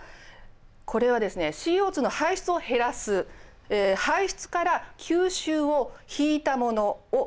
これはですねＣＯの排出を減らす排出から吸収を引いたものをゼロ。